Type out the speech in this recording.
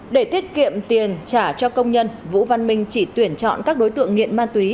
để tiết kiệm tiền trả cho công nhân vũ văn minh chỉ tuyển chọn các đối tượng nghiện ma túy